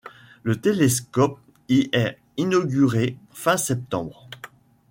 Le télescope y est inauguré fin septembre.